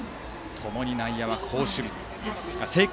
共に内野は好守備。